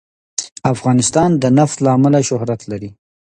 افغانستان د نفت له امله شهرت لري.